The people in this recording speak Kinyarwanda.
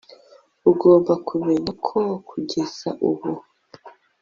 ugomba kumenya ko kugeza ubu